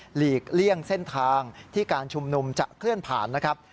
หลีกเลี่ยงเส้นทางที่การชุมนุมจะเคลื่อนผ่านนะครับ